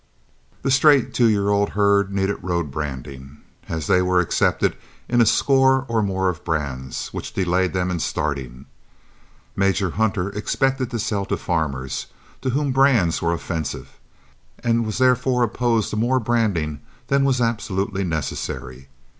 The straight two year old herd needed road branding, as they were accepted in a score or more brands, which delayed them in starting. Major Hunter expected to sell to farmers, to whom brands were offensive, and was therefore opposed to more branding than was absolutely necessary.